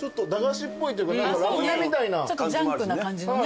ちょっとジャンクな感じのね。